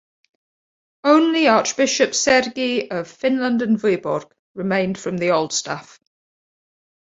Only Archbishop Sergiy of Finland and Vyborg remained from the old staff.